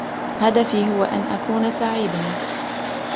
هدفي هو أن أكون سعيداً.